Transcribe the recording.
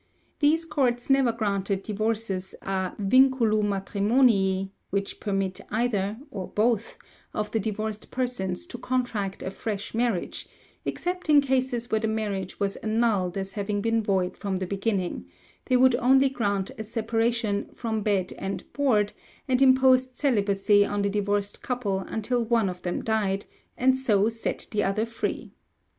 These courts never granted divorces a vinculo matrimonii, which permit either or both of the divorced persons to contract a fresh marriage, except in cases where the marriage was annulled as having been void from the beginning; they would only grant a separation "from bed and board," and imposed celibacy on the divorced couple until one of them died, and so set the other free.